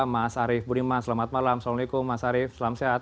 mas arief budiman selamat malam assalamualaikum mas arief selamat siang